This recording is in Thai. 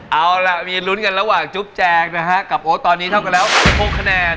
เอาล่ะมีลุ้นกันระหว่างจุ๊บแจงนะฮะกับโอ๊ตตอนนี้เท่ากันแล้ว๑๖คะแนน